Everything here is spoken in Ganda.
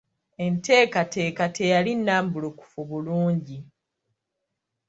Enteekateeka teyali nnambulukufu bulungi.